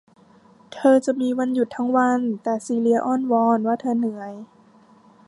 เธอจะมีวันหยุดทั้งวัน แต่ซีเลียอ้อนวอนว่าเธอเหนื่อย